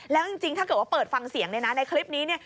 แล้วจริงถ้าเกิดว่าเปิดฟังเสียงในคลิปนี้